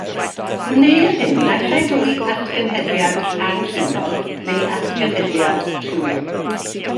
Gwneir hyn naill ai drwy atgenhedliad anrhywiol neu atgenhedliad rhywiol.